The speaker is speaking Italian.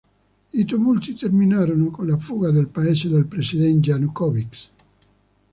I tumulti terminarono con la fuga dal paese del presidente Janukovyč.